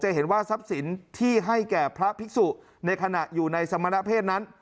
เห็นว่าทรัพย์สินที่ให้แก่พระภิกษุในขณะอยู่ในสมณเพศนั้น